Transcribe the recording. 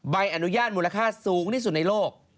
ใบอนุญาตมูลค่าสูงที่สุดในโลก